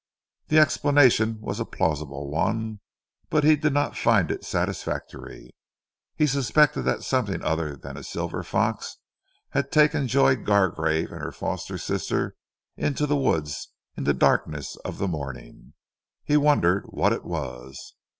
The explanation was a plausible one, but he did not find it satisfactory. He suspected that something other than a silver fox had taken Joy Gargrave and her foster sister into the woods in the darkness of the morning. He wondered what it was.